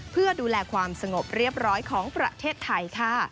เพื่อดูแลความสงบเรียบร้อยของประเทศไทยค่ะ